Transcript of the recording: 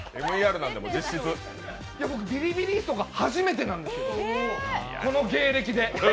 僕、ビリビリ椅子とか初めてなんですよ、この芸歴で。